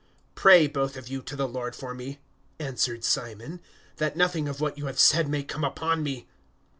008:024 "Pray, both of you, to the Lord for me," answered Simon, "that nothing of what you have said may come upon me."